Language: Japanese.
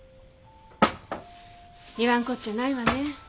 言わんこっちゃないわね。